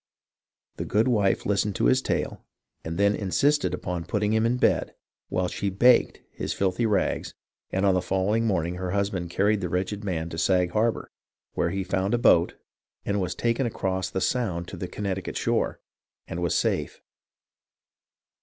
The good wife listened to his tale and then insisted upon putting him in bed while she baked his filthy rags, and on the following morning her husband carried the wretched man to Sag Harbor, where he found a boat and was taken across the Sound to the Connecticut shore and was safe.